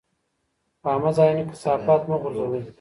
په عامه ځایونو کې کثافات مه غورځوئ.